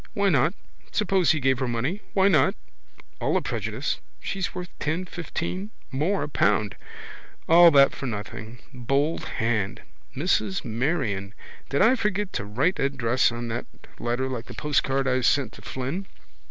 Why not? Suppose he gave her money. Why not? All a prejudice. She's worth ten, fifteen, more, a pound. What? I think so. All that for nothing. Bold hand: Mrs Marion. Did I forget to write address on that letter like the postcard I sent to Flynn?